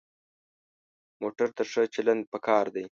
موټر ته ښه چلند پکار دی.